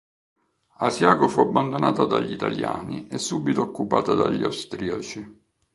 Asiago fu abbandonata dagli italiani e subito occupata dagli austriaci.